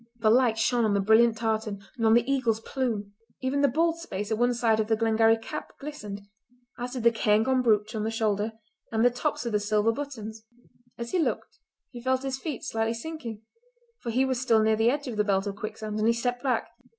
The light shone on the brilliant tartan, and on the eagle's plume. Even the bald space at one side of the Glengarry cap glistened, as did the cairngorm brooch on the shoulder and the tops of the silver buttons. As he looked he felt his feet slightly sinking, for he was still near the edge of the belt of quicksand, and he stepped back.